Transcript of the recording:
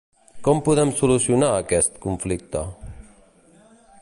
Com podem solucionar aquest conflicte?